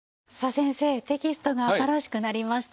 先生テキストが新しくなりました。